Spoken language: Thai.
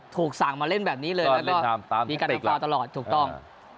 ถูกสั่งมาเล่นแบบนี้เลยแล้วก็มีการติดตามตลอดถูกต้อง